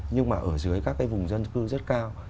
nhưng mà ở dưới các cái vùng dân cư rất cao